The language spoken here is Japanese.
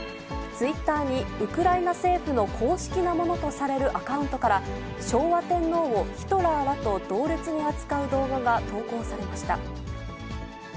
ツイッターに、ウクライナ政府の公式なものとされるアカウントから、昭和天皇をヒトラーらと同列に扱う動画が投稿されました。